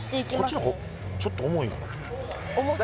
こっちの方がちょっと重いよな重さ？